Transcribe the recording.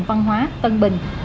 văn hóa tân bình